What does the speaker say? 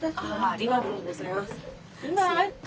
ありがとうございます。